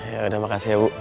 ya udah makasih ya bu